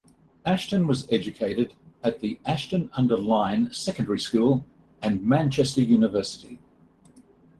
Ashton was educated at the Ashton-under-Lyne secondary school and Manchester University.